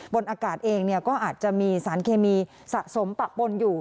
บนอากาศเองก็อาจจะมีสารเคมีสะสมปะปนอยู่